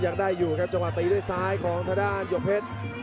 ยังได้อยู่ครับจังหวะตีด้วยซ้ายของทางด้านหยกเพชร